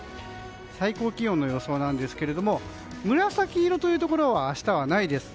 最高気温の予想ですが紫色というところは明日はないです。